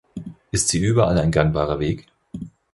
Ist sie überall ein gangbarer Weg?